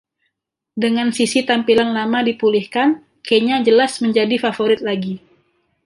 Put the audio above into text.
Dengan sisi tampilan lama dipulihkan, Kenya jelas menjadi favorit lagi.